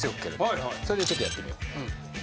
ちょっとやってみよう。